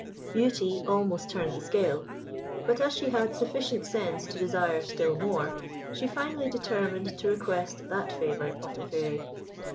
Beauty almost turned the scale; but as she had sufficient sense to desire still more, she finally determined to request that favour of the Fairy.